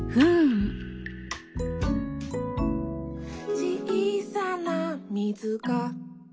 「ちいさなみずが」